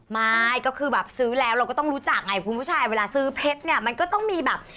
ไม่ก็คือแบบซื้อแล้วเราก็ต้องรู้จักไงคุณผู้ชายเวลาซื้อเพชรเนี่ยมันก็ต้องมีแบบ